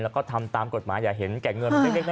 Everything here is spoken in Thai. แล้วก็ตามกฎหมายอย่าเห็นแก่เงินเป็นเด็ก